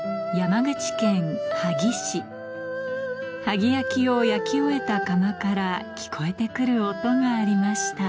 萩焼を焼き終えた窯から聞こえて来る音がありました